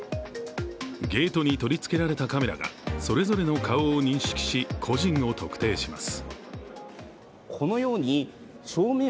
ゲートに取り付けられたカメラが、それぞれの顔を認証ししっかりと判定します。